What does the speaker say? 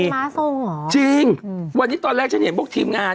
ม้าทรงเหรอจริงอืมวันนี้ตอนแรกฉันเห็นพวกทีมงาน